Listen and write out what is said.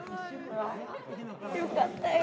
よかったよ。